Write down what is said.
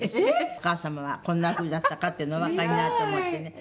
お母様はこんなふうだったかっていうのおわかりになると思ってね。